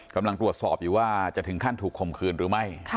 กำลังตรวจสอบอยู่ว่าจะถึงขั้นถูกคมคืนหรือไม่